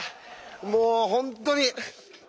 もう本当に！